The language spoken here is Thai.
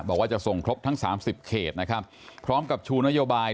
บอกว่าจะส่งครบทั้ง๓๐เขตนะครับพร้อมกับชูนโยบาย